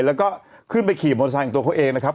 แล้วก็ขึ้นไปขี่มอเตอร์ไซค์ของตัวเขาเองนะครับ